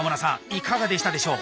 いかがでしたでしょう？